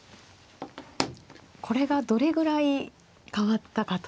これがどれぐらい変わったかという。